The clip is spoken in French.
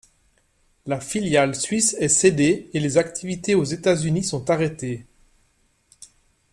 La filiale suisse est cédée, et les activités aux États-Unis sont arrêtées.